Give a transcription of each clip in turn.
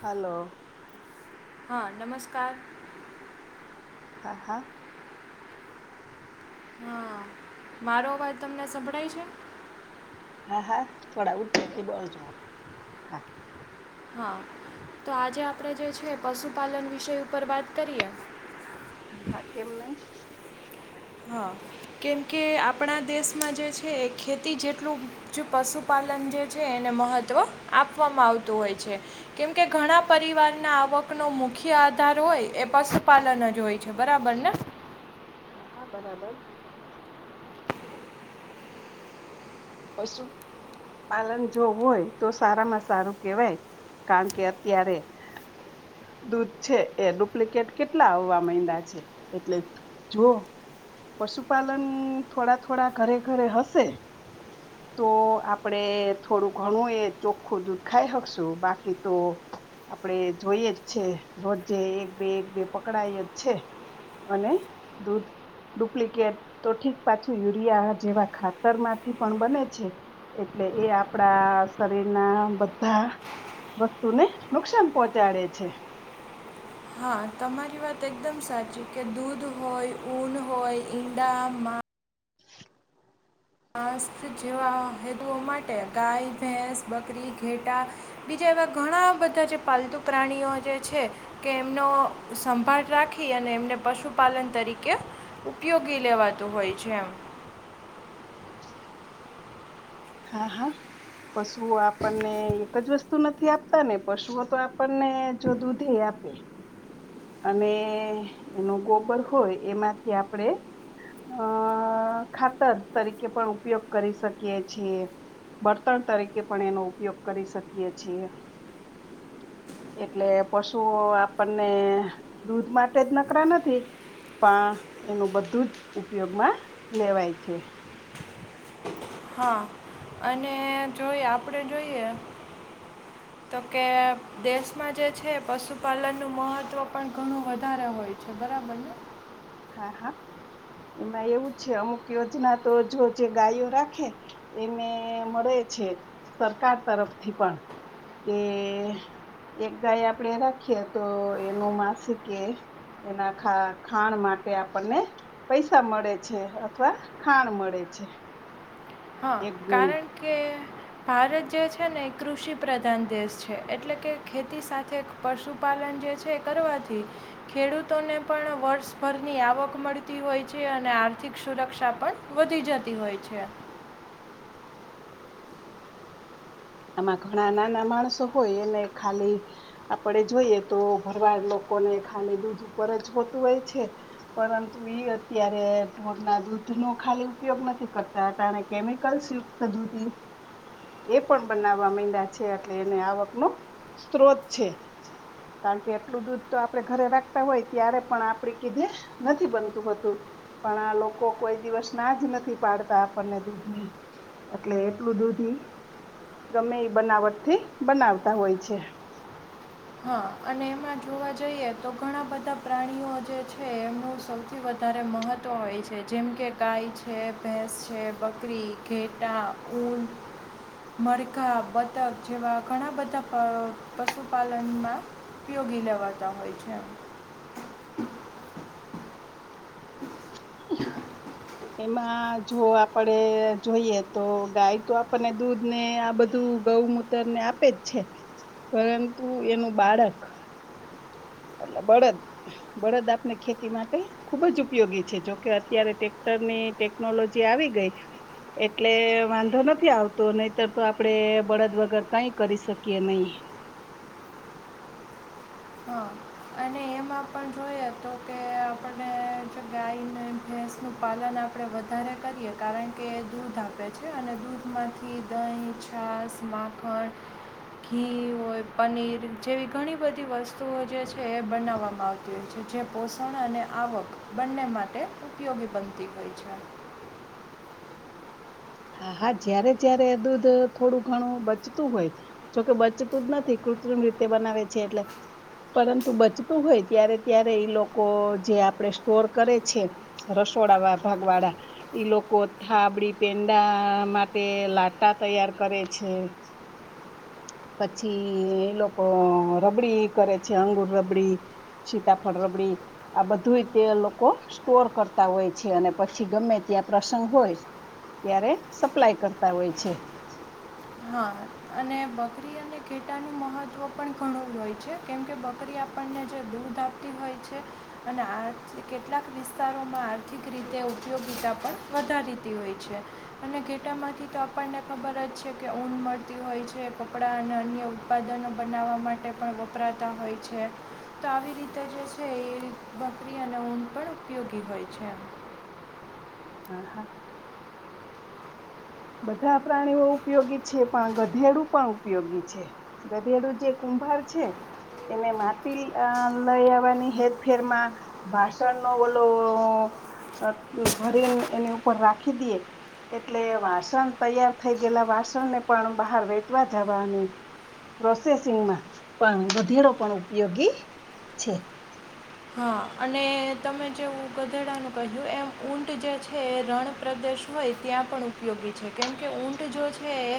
હાલો. હા નમસ્કાર. હા હા. હા મારો અવાજ તમને સંભળાય છે? હા હા થોડા ઉચેથી બોલ જો હા તો આજે આપણે જે છે પશુપાલન વિષય ઉપર વાત કરીએ. હા હા કેમ નય હા કેમકે આપણા દેશમાં જે છે એ ખેતી જેટલું જો પશુપાલન જે છે એને મહત્વ આપવામાં આવતું હોય છે. કેમકે ઘણા પરિવારના આવકનુ મુખ્ય આધાર હોય એ પશુપાલન જ હોય છે બરાબર ને હા હા બરાબર. પશું પાલન જો હોય તો સારામાં સારું કેહેવાય કારણ કે અત્યારે દૂધ છે એ ડુપ્લિકેટ કેટલા આવવા મયંડા છે. એટલે જો પશુપાલન થોડા થોડા ઘરે ઘરે હશે તો આપડે થોડું ઘણું એ ચોખ્ખું દૂધ ખાઈ હકશું બાકી તો આપડે જોઈએ જ છે રોજે એક બે એક બે પકડાય જ છે. અને દૂધ ડુપ્લિકેટ તો ઠીક પાછું યુરિયા જેવા ખાતર માં થી પણ બને છે એટલે એ આપડા શરીરના બધા વસ્તુને નુકસાન પહોંચાડે છે. હા તમારી વાત એકદમ સાચી કે દૂધ હોય, ઊન હોય, ઈંડા મા માસ જેવા હેદુઓ માટે ગાય, ભેંસ, બકરી, ઘેટા‌ બીજા એવા ઘણા બધા જે પાલતુ પ્રાણીઓ જે છે કે એમનો સંભાળ રાખી અને એમને પશુપાલન તરીકે ઉપયોગી લેવાતું હોય છે એમ. હા હા પશુ આપણને એક જ વસ્તુ નથી આપતા ને પશુઓ તો આપણને જો દૂધે આપે અને એનું ગોબર હોય એમાંથી આપણેે અ ખાતર તરીકે પણ ઉપયોગ કરી શકીએ છીએ. બળતણ તરીકે પણ એનો ઉપયોગ કરી શકીએ છીએ. એટલે પશુઓ આપણને દૂધ માટે જ નકરા નથી. એનું બધું જ ઉપયોગમાં લેવાય છે. હા, અને જોય આપણેે જોઈએ [inaudible] તો કે દેશમાં જે છે પશુપાલનનું મહત્ત્વ પણ ઘણું વધારે હોય છે. છે બરાબને. હા હા, એમાં એવું છે અમુક યોજના તો જો જે ગાયો રાખે. એને મળે છે, સરકાર તરફથી પણ કે એક ગાય આપણે રાખીએ તો એનું માસ કે એના ખાણ માટે કે આપણને પૈસા મળે છે અથવા ખાણ મળે છે. હા એક ગુણી કારણ કે ભારત જે છે ને એ કૃષિ પ્રધાન દેશ છે એટલે કે ખેતી સાથે પશુપાલન જે છે કરવાથી. ખેડૂતોને પણ વર્ષભરની આવક મળતી હોય છે અને આર્થિક સુરક્ષા પણ વધી જતી હોય છે. આમાં ઘણા નાના માણસો હોય એને ખાલી આપણેે જોઈએ તો ભરવાડ લોકોને ખાલી દૂધ ઉપર જ હોતું હોય છે. પરંતુ એ અત્યારે ઢોરના દૂધનો ખાલી ઉપયોગ નથી કરતા ને કેમિકલ્સ ત દૂધ એ પણ બનાવામાં છે એટલે એને આવકના સ્ત્રોત છે. કારણ કે એટલું દૂધ તો આપણે ઘરે રાખતા હોય ત્યારે પણ આપણે લીધે નથી બનતું હતું. પણ આ લોકો કોઈ દિવસના જ નથી પાડતા આપણને દૂધની. એટલે એટલું દૂધી ગમે એ બનાવટથી બનાવતા હોય છે. હા, અને એમાં જોવા જઈએ તો ઘણા બધા પ્રાણીઓ જે છે એમનું સૌથી વધારે મહત્ત્વ હોય છે જેમ કે ગાય છે, ભેંસ છે, બકરી. ઘેટા ઉન. મરઘા બતક જેવા ઘણા બધા પશુપાલન લનમાં ઉપયોગી લેવાતા હોય છે. એમાં જો આપણે જોઈએ તો ગાય તો આપણને દૂધ ને આ બધું ગૌમ તર ને આપે જ છે, પરંતુ એનું બાળક. એટલે બળદ આપને ખેતી માટે ખુબ જ ઉપયોગી છે જોકે અત્યારે ટટેક્ટરની ટેકનોલોજી આવી ગઈ. એટલે વાંધો નથી આવતો નહીતર તો આપણેે બળદ વગર કઈ કરી શકીયએ નહી. અને એમાં પણ જોઈએ તો કે આપને ગાય ભેંસ પાલન આપણે વધારે કરીએ કારણ કે એ દૂધ આપે છે અને દૂધમાંથી દહીં તાસ માફણ ઘી હોય પનીર જેવી ઘણી બધી વસ્તુઓ જે છે એ બનાવે. આપવામાં આવતી હોય છે જે પોષણ અને આવક બંને માટે ઉપયોગી બનતી હોય છે. હા, હા જયારે દૂધ થોડું ઘણું બચતું હોય. જોકે બચતું જ નથી કૃત્રિમ રીતે બનાવે છે એટલે. પરંતુ બચતું હોય ત્યારે એ લોકો જે આપણે સ્ટોર કરે છે. રસોડા ભાડવાડા, એ લોકો [unintelligible] પે માટે લાટા તૈયાર કરે છે. પછી એ લોકો રબડી કરે છે અંગુર રબડી. સીતા ફડ્રબડી આ બધું તે લોકો સ્ટોર કરતા હોય છે અને પછી ગમે ત્યાં પ્રસંગ હોય. ત્યારે સપ્લાય કરતા હોય છે. હા અને બકરી અને ઘેટાનું મહત્વ પણ ઘણું જ હોય છે. કેમ કે બકરી આપણને જે દૂધ આપતી હોય છે. અને આ કેટલાક વિસ્તારોમાં આર્થિક રીતે ઉપયોગીતા પણ વધારીતી હોય છે. અને ઘેટા માંથી તો આપણને ખબર જ છે. કે ઊન મળતી હોય છે કપડાં અને અન્ય ઉત્પાદનો બનાવવા માટે પણ વપરાતા હોય છે. તો આવી રીતે જે છે એ બકરી અને ઊન પણ ઉપયોગી હોય છે. હા હા બધા પ્રાણીઓ ઉપયોગી છે પણ ગધેડું પણ ઉપયોગી છે. ગધેડું જે કુંભાર છે. એને માટી લઈ આવવાની હેરફેરમાં ભાષણનો ઓલો ભરીને એની ઉપર રાખી દઈએ એટલે વાસણ તૈયાર થઈ ગયેલા વાસણને પણ બહાર વેચવા જવાની પ્રોસેસિંગમાં પણ વધેરો પણ ઉપયોગી છે. હા અને તમે જેવું ગધેડાનું કહ્યું એમ ઊંટ જે છે રણ પ્રદેશ હોય ત્યાં પણ ઉપયોગી છે, કેમકે ઊંટ જો છે એ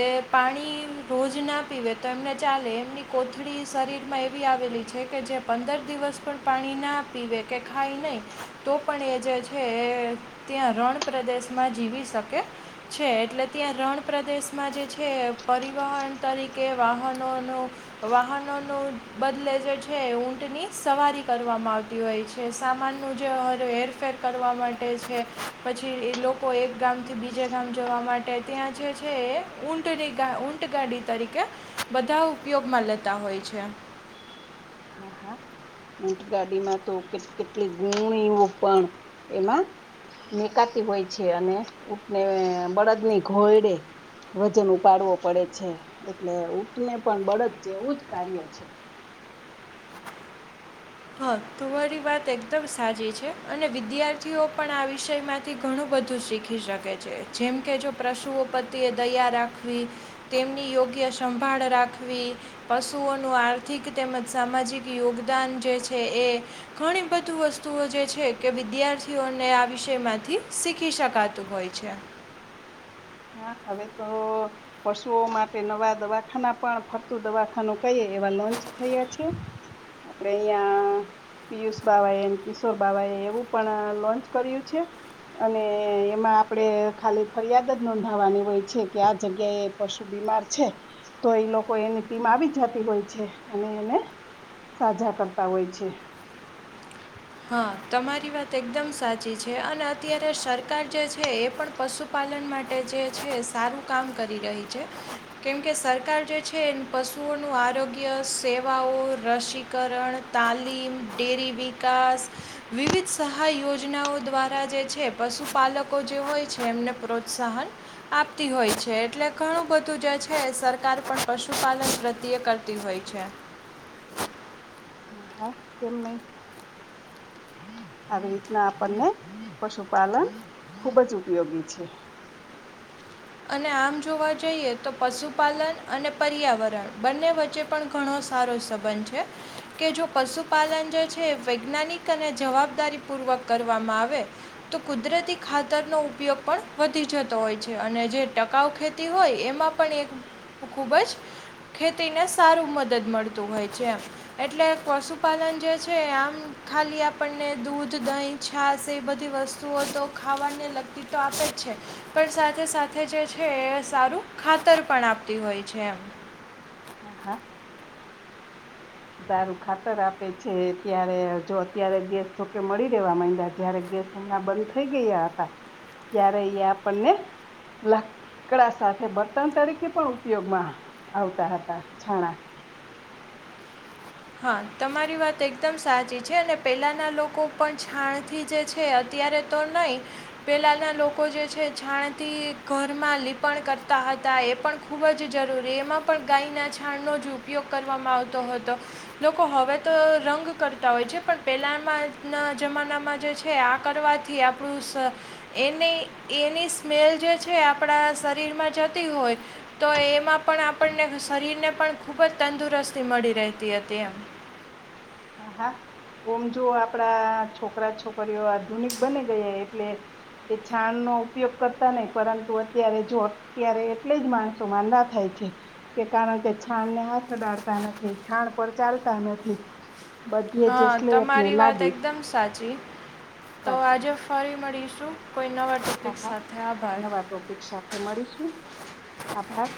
એ પાણી રોજના, પીવે તો એમને ચાલે એમની કોથળી શરીરમાં એવી આવેલી છે કે જે પંદર દિવસ, પણ પાણી ના પીવે કે ખાય નહીં તો પણ એ જે છે એ ત્યાં રણ પ્રદેશમાં જીવી શકે છે. એટલે ત્યાં રણ પ્રદેશમાં જે છે, પરિવહન તરીકે વાહનોનું વાહનો નુ બદલે જે છે ઊંટની સવારી કરવામાં આવતી હોય છે સામાનનું જે હેરફેર કરવા માટે છે. પછી એ લોકો એક ગામથી બીજે ગામ જવા માટે ત્યાં જે છે એ ઊંટની ઊંટ ગાડી તરીકે બધા ઉપયોગમાં લેતા હોય છે. હા હા ઊંટગાડીમાં તો કે કેટલી ગુણી પણ એમાં નિકાતી હોય છે અને ઉંટને બળદ ની ઘોયડે વજન ઉપાડવો પડે છે, એટલે ઉટને પણ બળદ છે એવું જ કાર્ય છે. હા તુમારી વાત એકદમ સાચી છે, અને વિદ્યાર્થીઓ પણ આ વિષયમાં થી ઘણું બધું શીખી શકે છે, જેમકે જો પશુઓ પ્રતિ એ દયા રાખવી તેમની યોગ્ય સંભાળ રાખવી, પશુઓનું આર્થિક તેમજ સામાજિક યોગદાન જે છે એ, ઘણી બધી વસ્તુઓ જે છે કે વિદ્યાર્થીઓને આ વિષય માંથી શીખી શકા તુ હોય છે. હા હવે તો, પશુઓ માટે નવા દવાખાના પણ ફરતું દવાખાનું કઇએ એવા લોન્ચ થયા છે. અપણે અહિયા પિયુષ બાવાએ, કિશોર બાવાએ એવું પણ લોન્ચ કર્યું છે. અને એમાં આપડે ખાલી ફરિયાદ જ નોંધાવાની હોય છે કે આ જગ્યા એ પશુ બીમાર છે. તો એ લોકો એની ટીમ આવી જતી હોય છે અને એને સાજા કરતા હોય છે. હા તમારી વાત એકદમ સાચી છે અને અત્યારે સરકાર જે છે એ પણ પશુ પશુપાલન માટે જે છે સારું કામ કરી રહી છે. કેમકે સરકાર જે છે એ પશુઓનું આરોગ્ય સેવાઓ રસીકરણ, તાલીમ ડેરી વિકાસ વિવિધ સહાય યોજનાઓ દ્વારા જે છે પશુપાલકો જે હોય છે એમને પ્રોત્સાહન આપતી હોય છે એટલે ઘણું બધું જે છે સરકાર પણ પશુપાલન પ્રત્યે કર તી હોય છે. હા હા કેમ નહી આવી રીતના આપણને પશુપાલન ખુબ જ ઉપયોગી છે. અને આમ જોવા જઈએ તો પશુપાલન અને પર્યાવરણ બંને વચ્ચે... પણ ઘણો સારો સંબંધ છે. કે જો પશુપાલન જે છે વૈજ્ઞાનિક અને જવાબદારી પૂર્વક કરવામાં આવે તો કુદરતી ખાતરનો ઉપયોગ પણ વધી જતો હોય છે અને જે ટકાઉ ખેતી હોય એમાં પણ એક ખૂબ જ ખેતીને સારું મદદ મળતું હોય છે એમ એટલે પશુપાલન જે છે આમ ખાલી આપણને દૂધ, દહીં, છાશ એ બધી વસ્તુઓ તો ખાવા ની તો લકી આપે છે. પણ સાથે સાથે જે છે એ સારું ખાતર પણ આપતી હોય છે એમ. હા હા. સારું ખાતર આપે છે. ત્યારે જો અત્યારે ગેસ જો કે મળી રેવા મંડયા છે જ્યારે ગેસ... હમણાં બંધ થઈ ગયા હતા ત્યારે એ આપણને... લાકડાં સાથે બળતણ તરીકે પણ ઉપયોગ મા આવતા હતા છાણાં. હા, તમારી વાત એકદમ સાચી છે. અને પહેલાના લોકો પણ છાણથી જે છે. અત્યારે તો નહીં. પહેલાના લોકો જે છે છાણથી ઘરમાં લીપણ કરતા હતા, એ પણ. ખૂબ જ જરૂરી એમાં પણ ગાયના છાણનો જ ઉપયોગ કરવામાં આવતો હતો. લોકો હવે તો રંગ કરતા હોય છે, પણ પહેલામાં ન જમાનામાં આ કરવાથી. આપણું સ એને એની સ્મેલ જે છે, એ આપણા શરીરમાં જતી હોય. તો એમાં પણ આપણે ને શરીર ને પણ ખૂબ જ તંદુરસ્તી મળી રહેતી હતી એમ. હા હા, ઓમ જો આપણા છોકરા-છોકરીઓ આધુનિક બની ગયા એટલે. એ છાણનો ઉપયોગ કરતા નહિ પરંતુ અત્યારે જો અત્યારે એટલે જ મા તો માદા થાય છે. કે કારણ કે છાણને હાથ અડાડતા નથી છાણ પર ચાલતા નથી. બધે જ હા, સ્લેપને તમારી વાત લાદી એકદમ સાચી. તો સાચી આજે ફરી મળીશું કોઈ નવા ટોપિક સાથે. આભાર! કઈક સાથે મળીશું. આભાર!